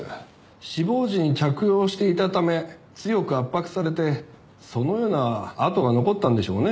死亡時に着用していたため強く圧迫されてそのような痕が残ったんでしょうね。